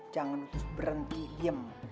jangan putus berhenti diem